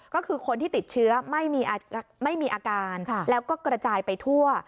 ก็คือคนที่ติดเชื้อไม่มีอาการแล้วก็กระจายไปทั่ว